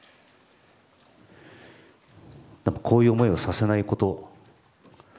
こういう思いをさせないこと。